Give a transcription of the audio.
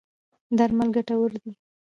درمل ګټور دی.